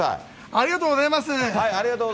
ありがとうございます。